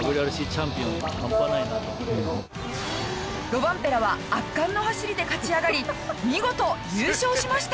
ロバンペラは圧巻の走りで勝ち上がり見事優勝しました。